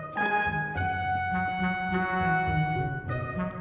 kalau lu nangkas